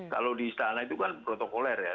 kalau di istana itu kan protokoler ya